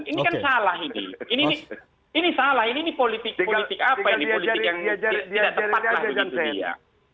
ini kan salah ini ini salah ini politik apa ini politik yang tidak tepatlah